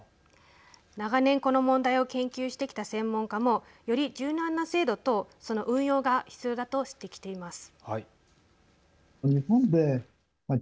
長年、この問題を研究してきた専門家もより柔軟な制度とその運用が必要だと指摘しています。